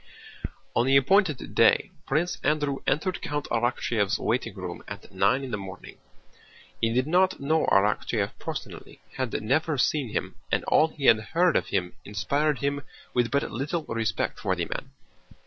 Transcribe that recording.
On the appointed day Prince Andrew entered Count Arakchéev's waiting room at nine in the morning. He did not know Arakchéev personally, had never seen him, and all he had heard of him inspired him with but little respect for the man.